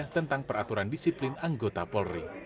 tentang peraturan disiplin anggota polri